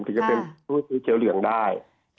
ถึงจะเป็นผู้ซื้อเจียวเหลืองได้